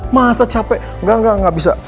masa capek enggak enggak enggak bisa